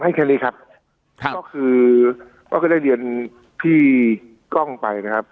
แค่นี้ครับก็คือก็ได้เรียนพี่กล้องไปนะครับ